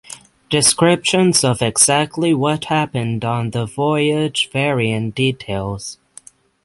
Descriptions of exactly what happened on the voyage vary in details.